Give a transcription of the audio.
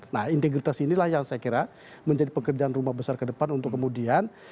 nah integritas inilah yang saya kira menjadi pekerjaan rumah besar ke depan untuk kemudian